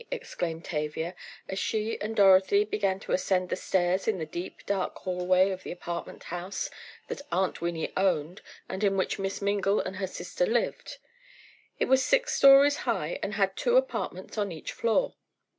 exclaimed Tavia, as she and Dorothy began to ascend the stairs in the deep, dark hallway of the apartment house that Aunt Winnie owned, and in which Miss Mingle and her sister lived. It was six stories high and had two apartments on each floor.